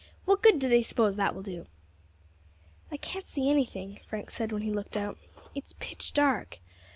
What good do they suppose that will do?" "I can't see anything," Frank said when he looked out; "it's pitch dark.